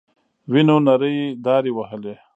وينو نرۍ دارې وهلې.